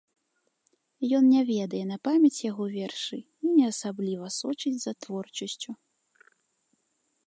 Ён не ведае на памяць яго вершы і не асабліва сочыць за творчасцю.